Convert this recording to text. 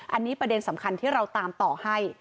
อันนี้ประเด็นสำคัญที่เราตามต่อให้